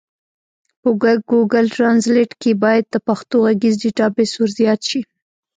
په ګوګل ټرانزلېټ کي بايد د پښتو ږغيز ډيټابيس ورزيات سي.